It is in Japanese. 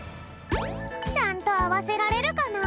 ちゃんとあわせられるかな？